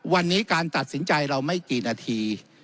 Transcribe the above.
วันนี้การตัดสินใจเราไม่กี่นาที